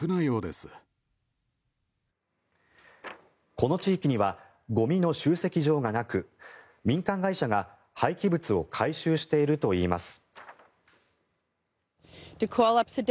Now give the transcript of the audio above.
この地域にはゴミの集積場がなく民間会社が廃棄物を回収しているといいます。